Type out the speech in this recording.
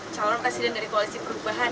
calon presiden dari koalisi perubahan